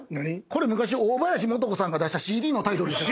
これ昔大林素子さんが出したＣＤのタイトルでした。